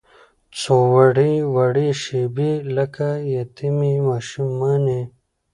څووړې، وړې شیبې لکه یتیمې ماشومانې